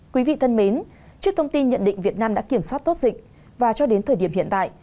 quý vị thân mến trước thông tin nhận định việt nam đã kiểm soát tốt dịch và cho đến thời điểm hiện tại